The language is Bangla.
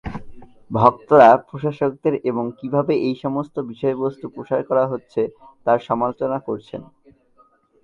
ভক্তরা প্রশাসকদের এবং কি ভাবে এই সমস্ত বিষয়বস্তু প্রচার করা হচ্ছে তার সমালোচনা করেছে।